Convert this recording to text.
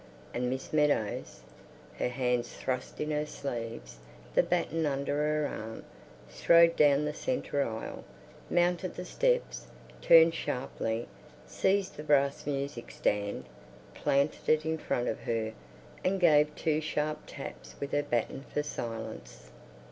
and Miss Meadows, her hands thrust in her sleeves, the baton under her arm, strode down the centre aisle, mounted the steps, turned sharply, seized the brass music stand, planted it in front of her, and gave two sharp taps with her baton for silence.